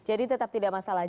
jadi tetap tidak masalah